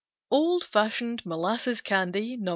Old Fashioned Molasses Candy No.